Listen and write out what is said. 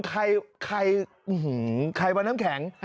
ใครใครอูหือใครมาน้ำแข็ง